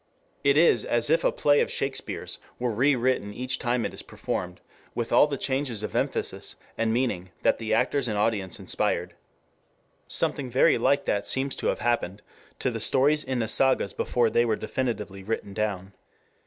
It is as if a play of Shakespeare's were rewritten each time it is performed with all the changes of emphasis and meaning that the actors and audience inspired. Something very like that seems to have happened to the stories in the sagas before they were definitively written down.